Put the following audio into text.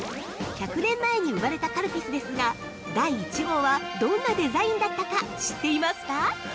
◆１００年前に生まれたカルピスですが、第１号はどんなデザインだったか、知っていますか。